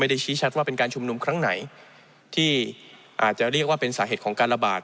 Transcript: ชี้ชัดว่าเป็นการชุมนุมครั้งไหนที่อาจจะเรียกว่าเป็นสาเหตุของการระบาด